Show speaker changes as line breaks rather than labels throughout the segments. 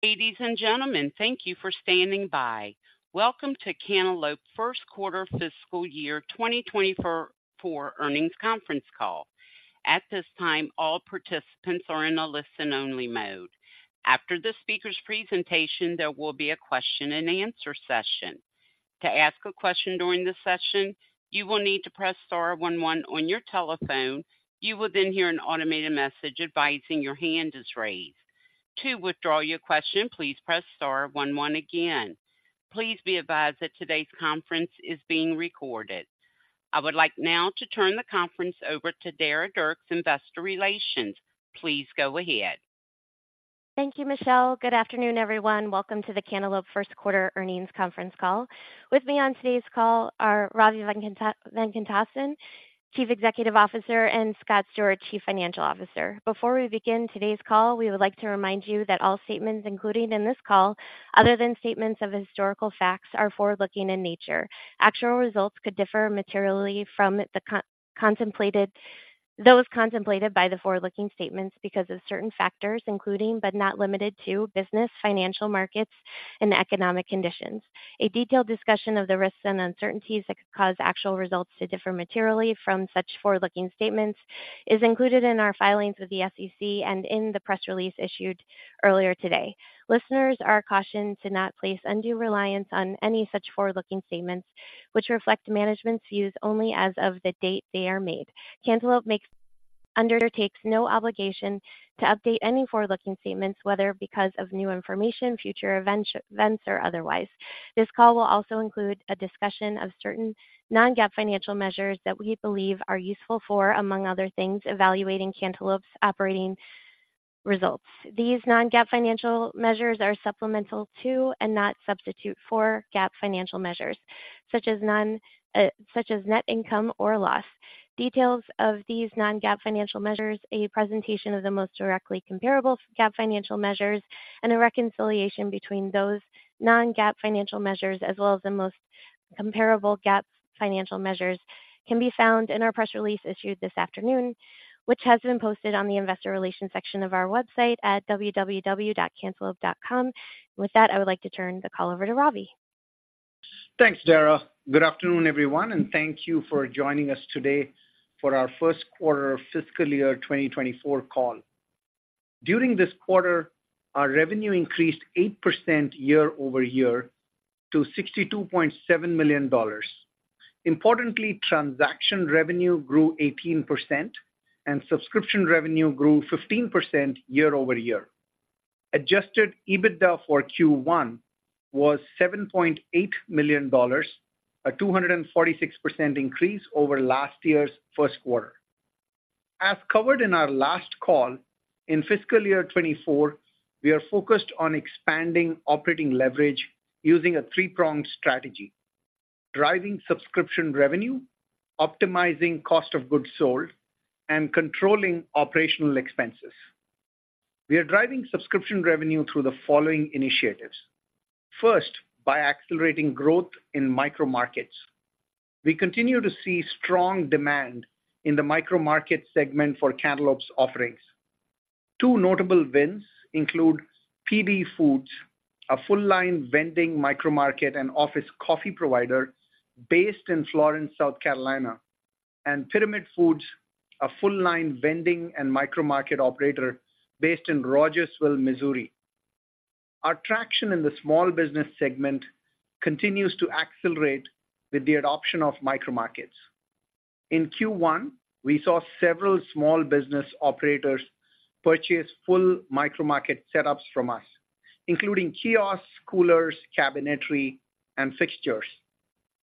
Ladies and gentlemen, thank you for standing by. Welcome to Cantaloupe first quarter fiscal year 2024 earnings conference call. At this time, all participants are in a listen-only mode. After the speaker's presentation, there will be a question and answer session. To ask a question during the session, you will need to press star one one on your telephone. You will then hear an automated message advising your hand is raised. To withdraw your question, please press star one one again. Please be advised that today's conference is being recorded. I would like now to turn the conference over to Dara Dierks, Investor Relations. Please go ahead.
Thank you, Michelle. Good afternoon, everyone. Welcome to the Cantaloupe first quarter earnings conference call. With me on today's call are Ravi Venkatesan, Chief Executive Officer, and Scott Stewart, Chief Financial Officer. Before we begin today's call, we would like to remind you that all statements, including in this call, other than statements of historical facts, are forward-looking in nature. Actual results could differ materially from those contemplated by the forward-looking statements because of certain factors, including, but not limited to, business, financial markets, and economic conditions. A detailed discussion of the risks and uncertainties that could cause actual results to differ materially from such forward-looking statements is included in our filings with the SEC and in the press release issued earlier today. Listeners are cautioned to not place undue reliance on any such forward-looking statements, which reflect management's views only as of the date they are made. Cantaloupe undertakes no obligation to update any forward-looking statements, whether because of new information, future events, or otherwise. This call will also include a discussion of certain non-GAAP financial measures that we believe are useful for, among other things, evaluating Cantaloupe's operating results. These non-GAAP financial measures are supplemental to, and not substitute for, GAAP financial measures, such as net income or loss. Details of these non-GAAP financial measures, a presentation of the most directly comparable GAAP financial measures, and a reconciliation between those non-GAAP financial measures, as well as the most comparable GAAP financial measures, can be found in our press release issued this afternoon, which has been posted on the investor relations section of our website at www.cantaloupe.com. With that, I would like to turn the call over to Ravi.
Thanks, Dara. Good afternoon, everyone, and thank you for joining us today for our first quarter fiscal year 2024 call. During this quarter, our revenue increased 8% year-over-year to $62.7 million. Importantly, transaction revenue grew 18%, and subscription revenue grew 15% year-over-year. Adjusted EBITDA for Q1 was $7.8 million, a 246% increase over last year's first quarter. As covered in our last call, in fiscal year 2024, we are focused on expanding operating leverage using a three-pronged strategy: driving subscription revenue, optimizing cost of goods sold, and controlling operational expenses. We are driving subscription revenue through the following initiatives. First, by accelerating growth in micro markets. We continue to see strong demand in the micro market segment for Cantaloupe's offerings. Two notable wins include P&B Foods, a full-line vending micro market and office coffee provider based in Florence, South Carolina, and Pyramid Foods, a full-line vending and micro market operator based in Rogersville, Missouri. Our traction in the small business segment continues to accelerate with the adoption of micro markets. In Q1, we saw several small business operators purchase full micro market setups from us, including kiosks, coolers, cabinetry, and fixtures.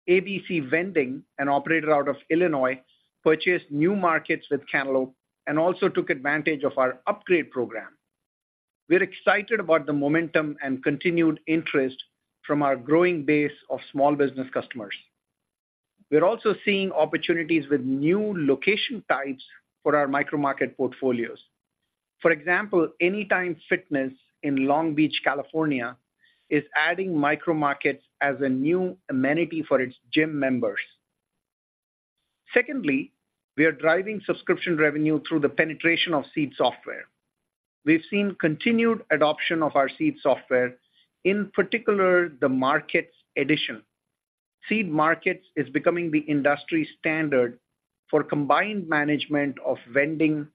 ABC Vending, an operator out of Illinois, purchased new markets with Cantaloupe and also took advantage of our upgrade program. We're excited about the momentum and continued interest from our growing base of small business customers. We're also seeing opportunities with new location types for our micro market portfolios. For example, Anytime Fitness in Long Beach, California, is adding micro markets as a new amenity for its gym members. Secondly, we are driving subscription revenue through the penetration of Seed software. We've seen continued adoption of our Seed software, in particular, the Markets edition. Seed Markets is becoming the industry standard for combined management of vending,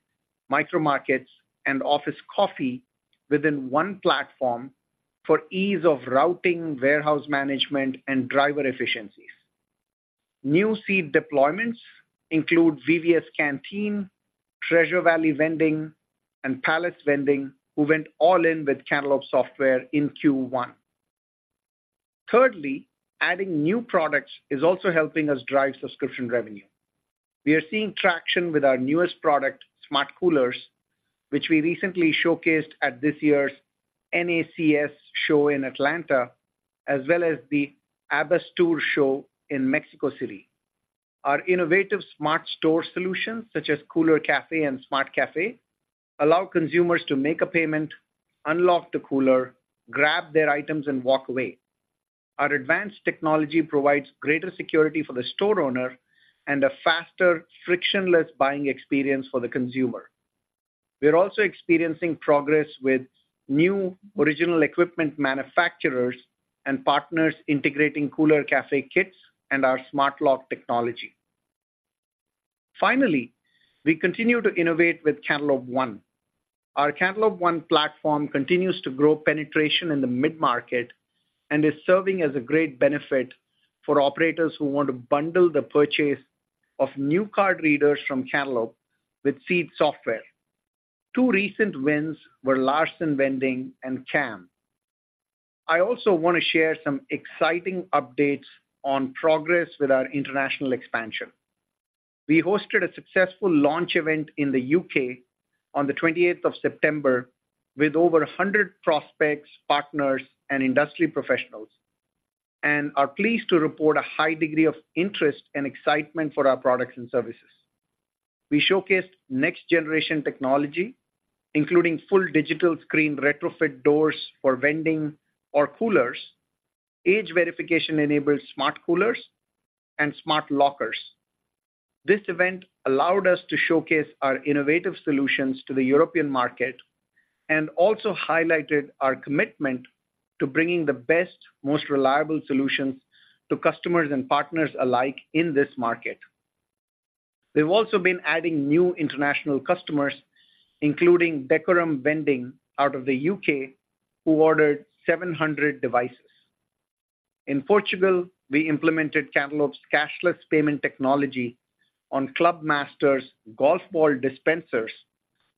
micro markets, and office coffee within one platform for ease of routing, warehouse management, and driver efficiencies. New Seed deployments include VVS Canteen, Treasure Valley Vending, and Palace Vending, who went all in with Cantaloupe software in Q1. Thirdly, adding new products is also helping us drive subscription revenue. We are seeing traction with our newest product, Smart Coolers, which we recently showcased at this year's NACS show in Atlanta, as well as the Abastur show in Mexico City. Our innovative smart store solutions, such as Cooler Café and Smart Café, allow consumers to make a payment, unlock the cooler, grab their items, and walk away.... Our advanced technology provides greater security for the store owner and a faster, frictionless buying experience for the consumer. We are also experiencing progress with new original equipment manufacturers and partners integrating Cooler Café kits and our smart lock technology. Finally, we continue to innovate with Cantaloupe One. Our Cantaloupe One platform continues to grow penetration in the mid-market and is serving as a great benefit for operators who want to bundle the purchase of new card readers from Cantaloupe with Seed software. Two recent wins were Larsen Vending and CAM. I also want to share some exciting updates on progress with our international expansion. We hosted a successful launch event in the UK on the 28th of September with over 100 prospects, partners, and industry professionals, and are pleased to report a high degree of interest and excitement for our products and services. We showcased next-generation technology, including full digital screen retrofit doors for vending or coolers, age verification-enabled smart coolers, and smart lockers. This event allowed us to showcase our innovative solutions to the European market and also highlighted our commitment to bringing the best, most reliable solutions to customers and partners alike in this market. We've also been adding new international customers, including Decorum Vending out of the U.K., who ordered 700 devices. In Portugal, we implemented Cantaloupe's cashless payment technology on Club Master's golf ball dispensers,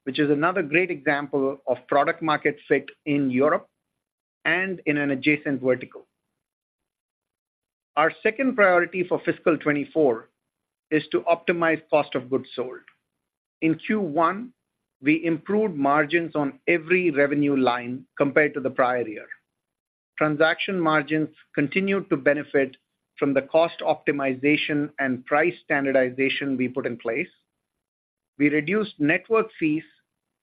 which is another great example of product market fit in Europe and in an adjacent vertical. Our second priority for fiscal 2024 is to optimize cost of goods sold. In Q1, we improved margins on every revenue line compared to the prior year. Transaction margins continued to benefit from the cost optimization and price standardization we put in place. We reduced network fees,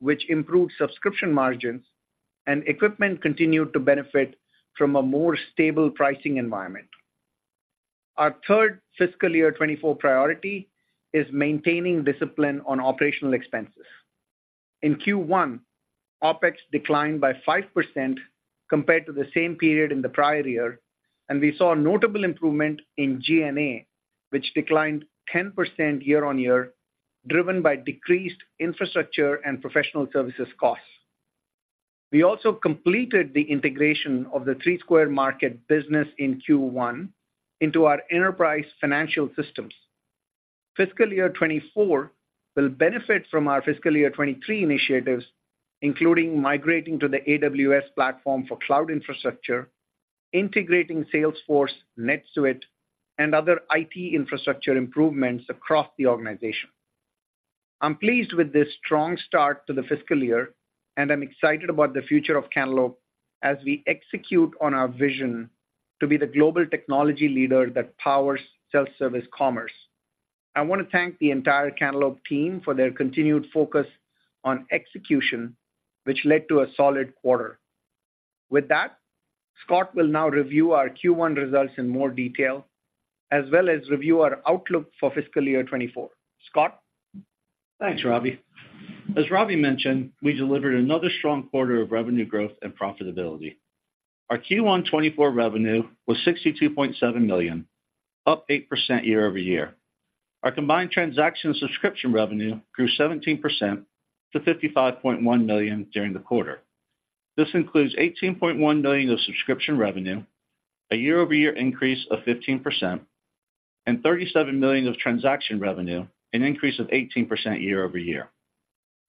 which improved subscription margins, and equipment continued to benefit from a more stable pricing environment. Our third fiscal year 2024 priority is maintaining discipline on operational expenses. In Q1, OpEx declined by 5% compared to the same period in the prior year, and we saw a notable improvement in G&A, which declined 10% year-over-year, driven by decreased infrastructure and professional services costs. We also completed the integration of the Three Square Market business in Q1 into our enterprise financial systems. Fiscal year 2024 will benefit from our fiscal year 2023 initiatives, including migrating to the AWS platform for cloud infrastructure, integrating Salesforce, NetSuite, and other IT infrastructure improvements across the organization. I'm pleased with this strong start to the fiscal year, and I'm excited about the future of Cantaloupe as we execute on our vision to be the global technology leader that powers self-service commerce. I want to thank the entire Cantaloupe team for their continued focus on execution, which led to a solid quarter. With that, Scott will now review our Q1 results in more detail, as well as review our outlook for fiscal year 2024. Scott?
Thanks, Ravi. As Ravi mentioned, we delivered another strong quarter of revenue growth and profitability. Our Q1 2024 revenue was $62.7 million, up 8% year-over-year. Our combined transaction subscription revenue grew 17% to $55.1 million during the quarter. This includes $18.1 million of subscription revenue, a year-over-year increase of 15%, and $37 million of transaction revenue, an increase of 18% year-over-year.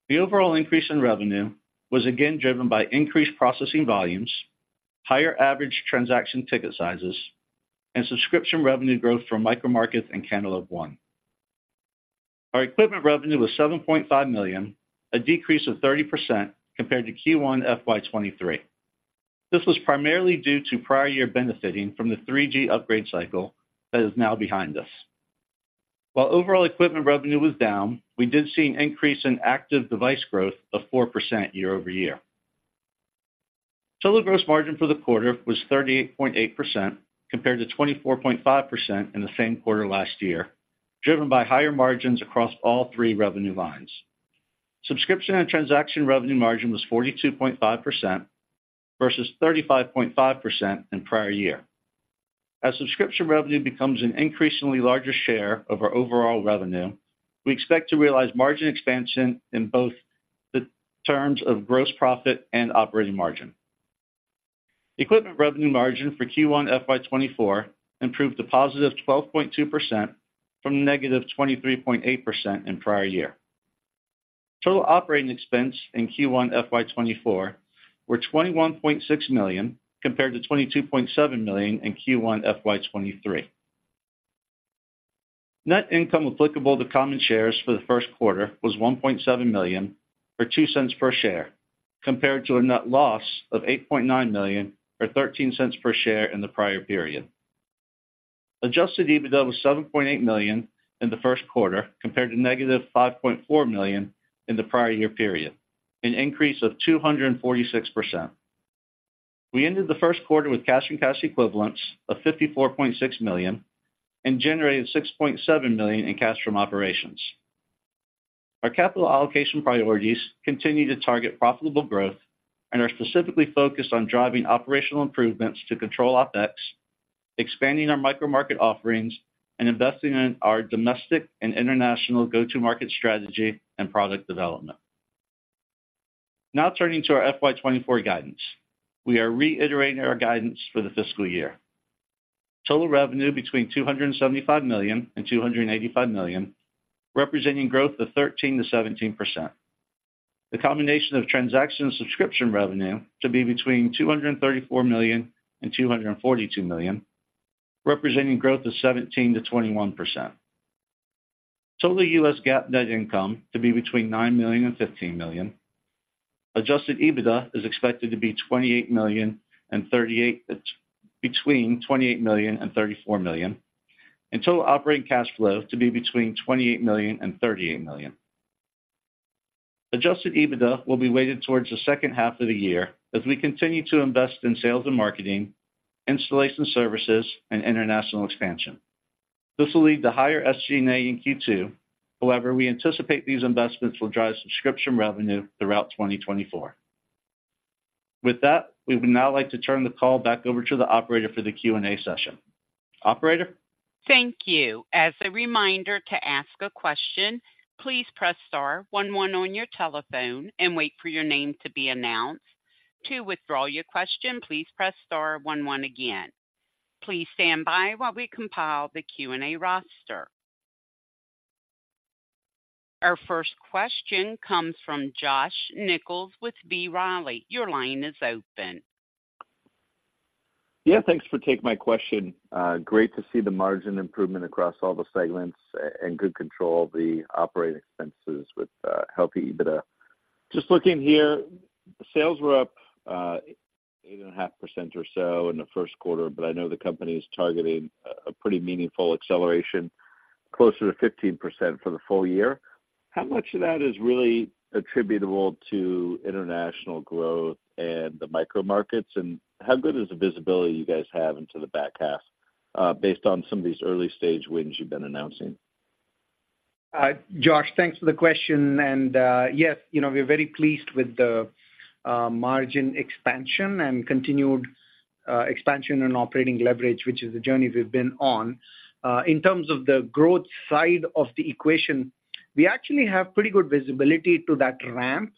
The overall increase in revenue was again driven by increased processing volumes, higher average transaction ticket sizes, and subscription revenue growth from micro markets and Cantaloupe One. Our equipment revenue was $7.5 million, a decrease of 30% compared to Q1 FY 2023. This was primarily due to prior year benefiting from the 3G upgrade cycle that is now behind us. While overall equipment revenue was down, we did see an increase in active device growth of 4% year-over-year. Total gross margin for the quarter was 38.8%, compared to 24.5% in the same quarter last year, driven by higher margins across all three revenue lines. Subscription and transaction revenue margin was 42.5% versus 35.5% in prior year. As subscription revenue becomes an increasingly larger share of our overall revenue, we expect to realize margin expansion in both the terms of gross profit and operating margin. Equipment revenue margin for Q1 FY 2024 improved to positive 12.2% from negative 23.8% in prior year. Total operating expense in Q1 FY 2024 were $21.6 million, compared to $22.7 million in Q1 FY 2023. Net income applicable to common shares for the first quarter was $1.7 million, or $0.02 per share, compared to a net loss of $8.9 million, or $0.13 per share in the prior period. Adjusted EBITDA was $7.8 million in the first quarter, compared to -$5.4 million in the prior year period, an increase of 246%. We ended the first quarter with cash and cash equivalents of $54.6 million and generated $6.7 million in cash from operations. Our capital allocation priorities continue to target profitable growth and are specifically focused on driving operational improvements to control OpEx, expanding our micro market offerings, and investing in our domestic and international go-to-market strategy and product development. Now, turning to our FY 2024 guidance. We are reiterating our guidance for the fiscal year. Total revenue between $275 million and $285 million, representing growth of 13%-17%. The combination of transaction and subscription revenue to be between $234 million and $242 million, representing growth of 17%-21%. Total US GAAP net income to be between $9 million and $15 million. Adjusted EBITDA is expected to be between $28 million and $34 million, and total operating cash flow to be between $28 million and $38 million. Adjusted EBITDA will be weighted towards the second half of the year as we continue to invest in sales and marketing, installation services, and international expansion. This will lead to higher SG&A in Q2. However, we anticipate these investments will drive subscription revenue throughout 2024. With that, we would now like to turn the call back over to the operator for the Q&A session. Operator?
Thank you. As a reminder to ask a question, please press star one one on your telephone and wait for your name to be announced. To withdraw your question, please press star one one again. Please stand by while we compile the Q&A roster. Our first question comes from Josh Nichols with B. Riley. Your line is open.
Yeah, thanks for taking my question. Great to see the margin improvement across all the segments and good control of the operating expenses with healthy EBITDA. Just looking here, sales were up 8.5% or so in the first quarter, but I know the company is targeting a pretty meaningful acceleration, closer to 15% for the full year. How much of that is really attributable to international growth and the micro markets? And how good is the visibility you guys have into the back half, based on some of these early-stage wins you've been announcing?
Josh, thanks for the question. Yes, you know, we're very pleased with the margin expansion and continued expansion and operating leverage, which is the journey we've been on. In terms of the growth side of the equation, we actually have pretty good visibility to that ramp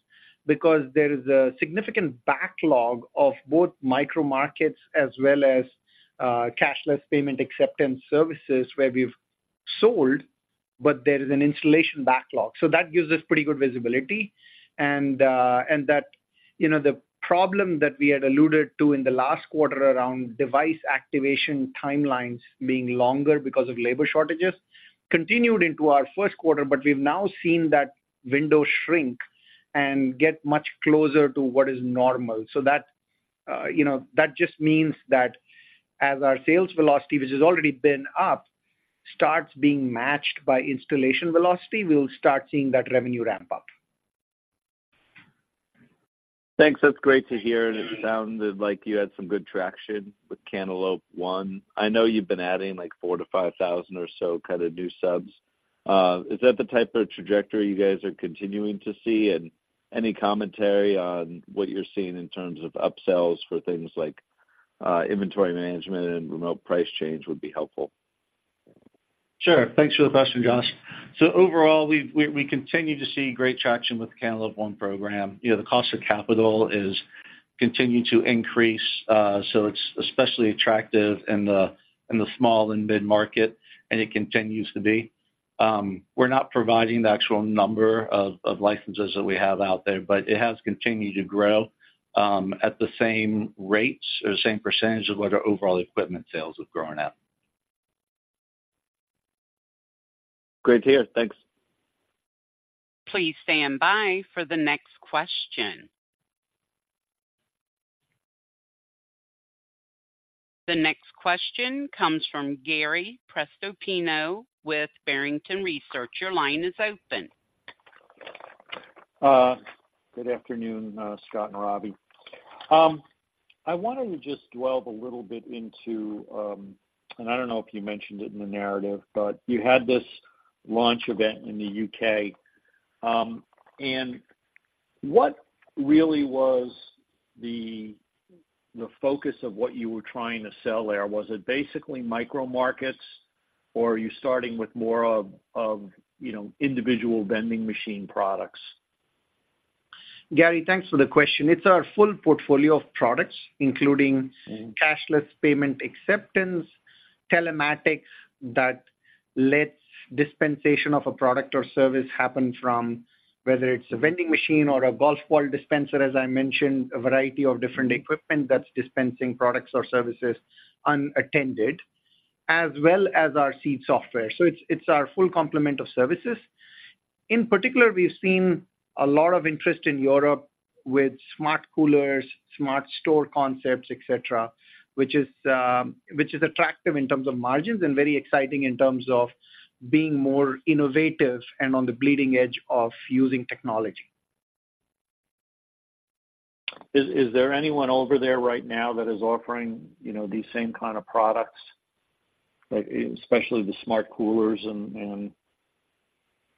because there is a significant backlog of both micro markets as well as cashless payment acceptance services, where we've sold, but there is an installation backlog. So that gives us pretty good visibility. And that, you know, the problem that we had alluded to in the last quarter around device activation timelines being longer because of labor shortages, continued into our first quarter, but we've now seen that window shrink and get much closer to what is normal. So that, you know, that just means that as our sales velocity, which has already been up, starts being matched by installation velocity, we'll start seeing that revenue ramp up.
Thanks. That's great to hear, and it sounded like you had some good traction with Cantaloupe One. I know you've been adding, like, 4-5 thousand or so kind of new subs. Is that the type of trajectory you guys are continuing to see? And any commentary on what you're seeing in terms of upsells for things like inventory management and remote price change would be helpful.
Sure. Thanks for the question, Josh. So overall, we continue to see great traction with the Cantaloupe One program. You know, the cost of capital is continuing to increase, so it's especially attractive in the small and mid-market, and it continues to be. We're not providing the actual number of licenses that we have out there, but it has continued to grow at the same rates or the same percentage of what our overall equipment sales have grown at.
Great to hear. Thanks.
Please stand by for the next question. The next question comes from Gary Prestopino with Barrington Research. Your line is open.
Good afternoon, Scott and Ravi. I wanted to just dwell a little bit into, and I don't know if you mentioned it in the narrative, but you had this launch event in the U.K. And what really was the focus of what you were trying to sell there? Was it basically micro markets, or are you starting with more of, you know, individual vending machine products?
Gary, thanks for the question. It's our full portfolio of products, including-
Mm-hmm.
cashless payment acceptance, telematics, that lets dispensation of a product or service happen from whether it's a vending machine or a golf ball dispenser, as I mentioned, a variety of different equipment that's dispensing products or services unattended, as well as our Seed software. So it's, it's our full complement of services.... In particular, we've seen a lot of interest in Europe with Smart Coolers, smart store concepts, et cetera, which is, which is attractive in terms of margins and very exciting in terms of being more innovative and on the bleeding edge of using technology.
Is there anyone over there right now that is offering, you know, these same kind of products, like, especially the Smart Coolers and-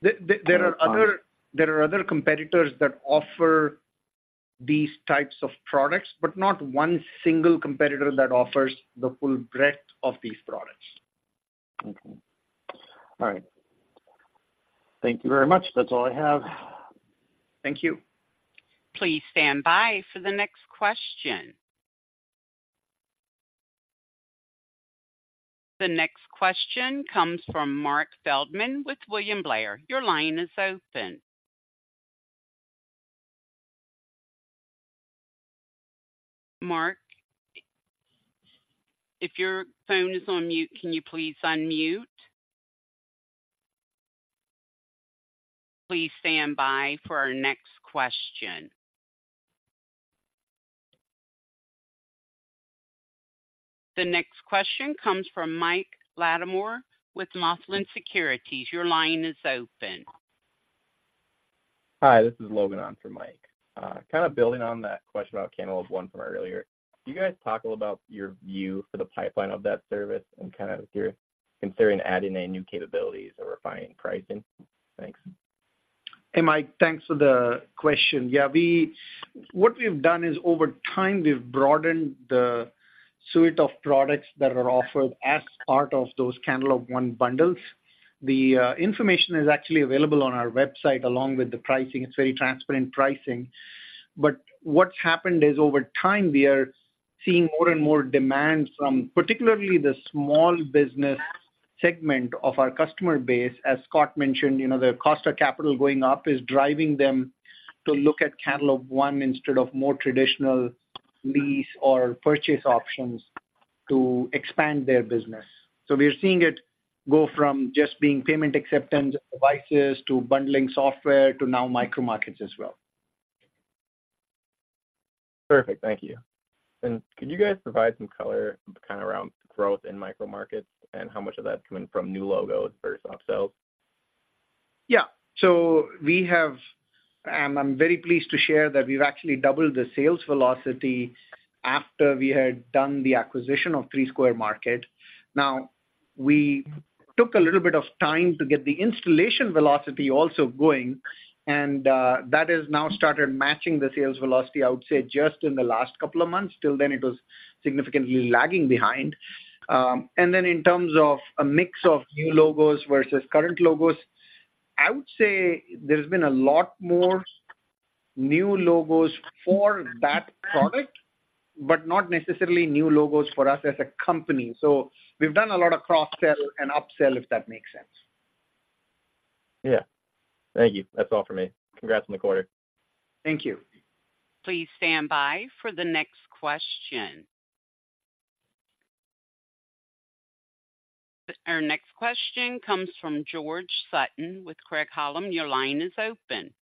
There are other competitors that offer these types of products, but not one single competitor that offers the full breadth of these products.
Okay. All right. Thank you very much. That's all I have.
Thank you.
Please stand by for the next question. The next question comes from Marc Feldman with William Blair. Your line is open. Marc, if your phone is on mute, can you please unmute? Please stand by for our next question. The next question comes from Mike Latimore with Maximus Securities. Your line is open.
Hi, this is Logan on for Mike. Kind of building on that question about Cantaloupe One from earlier. Can you guys talk a little about your view for the pipeline of that service and kind of if you're considering adding any new capabilities or refining pricing? Thanks.
Hey, Mike, thanks for the question. Yeah, what we've done is over time, we've broadened the suite of products that are offered as part of those Cantaloupe One bundles. The information is actually available on our website along with the pricing. It's very transparent pricing. But what's happened is, over time, we are seeing more and more demand from particularly the small business segment of our customer base. As Scott mentioned, you know, the cost of capital going up is driving them to look at Cantaloupe One instead of more traditional lease or purchase options to expand their business. So we are seeing it go from just being payment acceptance devices to bundling software to now micro markets as well.
Perfect. Thank you. And could you guys provide some color kind of around growth in micro markets and how much of that is coming from new logos versus upsells?
Yeah. So we have, and I'm very pleased to share that we've actually doubled the sales velocity after we had done the acquisition of Three Square Market. Now, we took a little bit of time to get the installation velocity also going, and that has now started matching the sales velocity, I would say, just in the last couple of months. Till then, it was significantly lagging behind. And then in terms of a mix of new logos versus current logos, I would say there's been a lot more new logos for that product, but not necessarily new logos for us as a company. So we've done a lot of cross-sell and upsell, if that makes sense.
Yeah. Thank you. That's all for me. Congrats on the quarter.
Thank you.
Please stand by for the next question. Our next question comes from George Sutton with Craig-Hallum. Your line is open.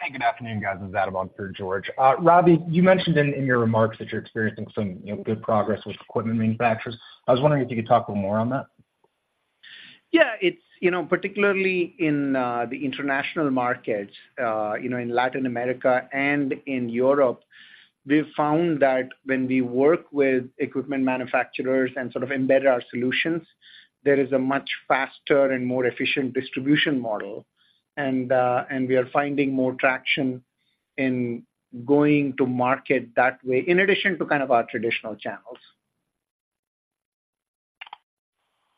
Hey, good afternoon, guys. This is Adam on for George. Ravi, you mentioned in your remarks that you're experiencing some, you know, good progress with equipment manufacturers. I was wondering if you could talk a little more on that.
Yeah, it's, you know, particularly in the international markets, you know, in Latin America and in Europe, we've found that when we work with equipment manufacturers and sort of embed our solutions, there is a much faster and more efficient distribution model. And we are finding more traction in going to market that way, in addition to kind of our traditional channels.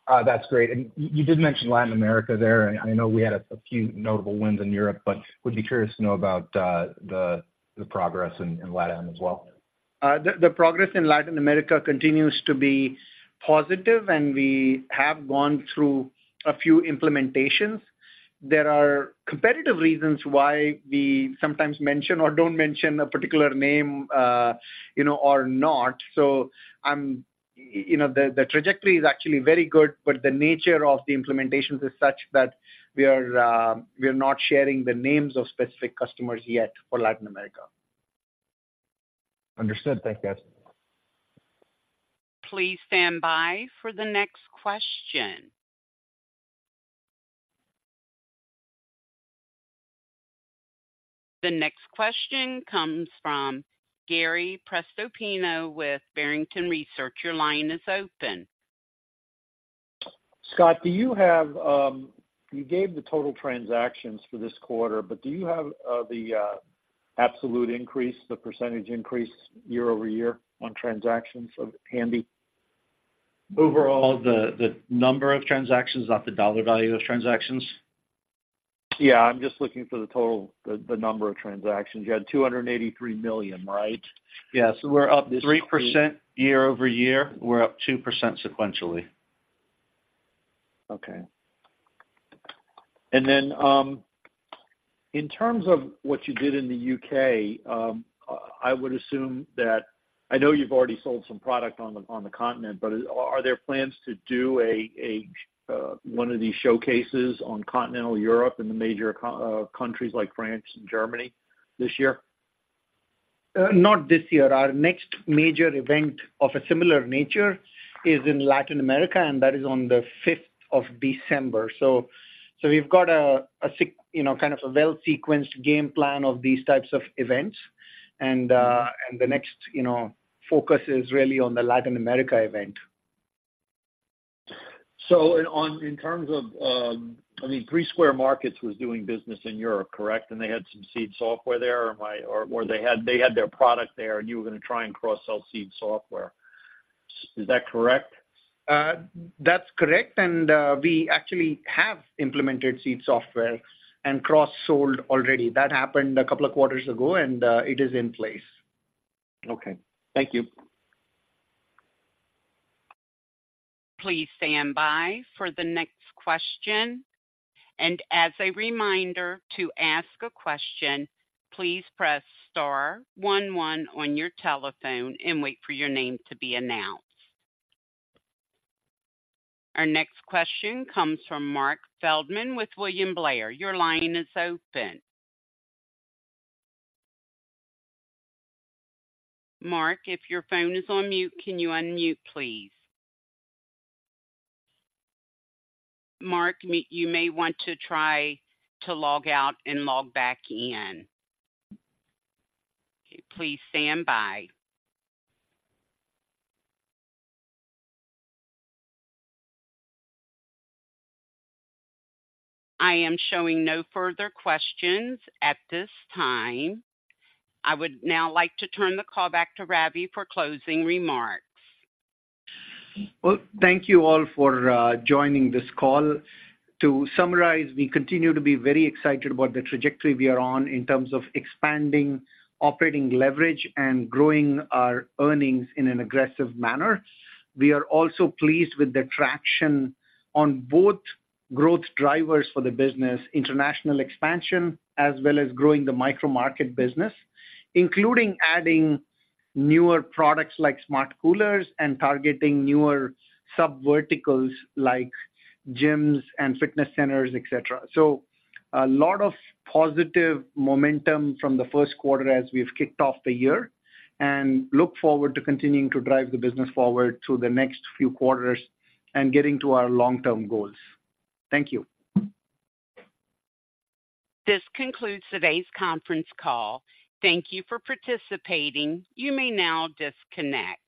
That's great. And you did mention Latin America there, and I know we had a few notable wins in Europe, but would be curious to know about the progress in Lat Am as well.
The progress in Latin America continues to be positive, and we have gone through a few implementations. There are competitive reasons why we sometimes mention or don't mention a particular name, you know, or not. So I'm, you know, the trajectory is actually very good, but the nature of the implementations is such that we are, we are not sharing the names of specific customers yet for Latin America.
Understood. Thanks, guys.
Please stand by for the next question. The next question comes from Gary Prestopino with Barrington Research. Your line is open.
Scott, do you have... You gave the total transactions for this quarter, but do you have the absolute increase, the percentage increase year-over-year on transactions offhand?
Overall, the number of transactions, not the dollar value of transactions?
Yeah, I'm just looking for the total, the number of transactions. You had 283 million, right?
Yes, we're up 3% year-over-year. We're up 2% sequentially.
Okay. In terms of what you did in the UK, I would assume that I know you've already sold some product on the continent, but are there plans to do a one of these showcases on continental Europe in the major countries like France and Germany this year?
Not this year. Our next major event of a similar nature is in Latin America, and that is on the fifth of December. So, we've got a, you know, kind of a well-sequenced game plan of these types of events, and the next, you know, focus is really on the Latin America event.
So and on, in terms of, I mean, Three Square Market was doing business in Europe, correct? And they had some Seed software there, or they had, they had their product there, and you were gonna try and cross-sell Seed software. Is that correct?
That's correct, and we actually have implemented Seed Software and cross-sold already. That happened a couple of quarters ago, and it is in place.
Okay. Thank you.
Please stand by for the next question. And as a reminder, to ask a question, please press star one one on your telephone and wait for your name to be announced. Our next question comes from Marc Feldman with William Blair. Your line is open. Marc, if your phone is on mute, can you unmute, please? Marc, you may want to try to log out and log back in. Please stand by. I am showing no further questions at this time. I would now like to turn the call back to Ravi for closing remarks.
Well, thank you all for joining this call. To summarize, we continue to be very excited about the trajectory we are on in terms of expanding operating leverage and growing our earnings in an aggressive manner. We are also pleased with the traction on both growth drivers for the business, international expansion, as well as growing the micro market business, including adding newer products like Smart Coolers and targeting newer subverticals like gyms and fitness centers, et cetera. So a lot of positive momentum from the first quarter as we've kicked off the year, and look forward to continuing to drive the business forward through the next few quarters and getting to our long-term goals. Thank you.
This concludes today's conference call. Thank you for participating. You may now disconnect.